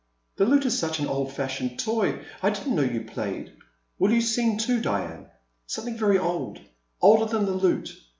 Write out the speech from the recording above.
The lute is such an old fashioned toy; I didn't know you played. Will you sing too, Diane? Something very old, older than the lute.'